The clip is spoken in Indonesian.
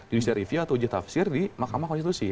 judicial review atau uji tafsir di mahkamah konstitusi